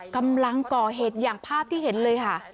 กำลังก่อเหตุอย่างภาพที่เห็นเลยค่ะ